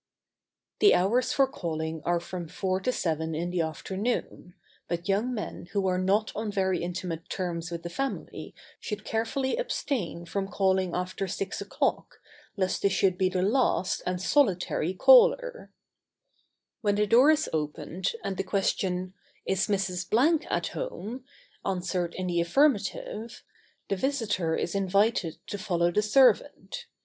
] The hours for calling are from four to seven in the afternoon, but young men who are not on very intimate terms with the family should carefully abstain from calling after six o'clock, lest they should be the last and solitary caller. [Sidenote: On arrival.] When the door is opened, and the question, "Is Mrs. Blank at home?" answered in the affirmative, the visitor is invited to follow the servant.